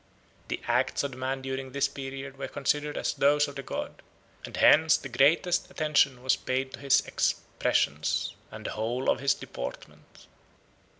The acts of the man during this period were considered as those of the god, and hence the greatest attention was paid to his expressions, and the whole of his deportment.